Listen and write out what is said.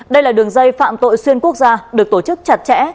đây là đường dây phạm tội xuyên quốc gia được tổ chức chặt chẽ